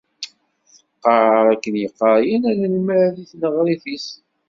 Teqqar akken yeqqar yal anelmad deg tneɣrit-is.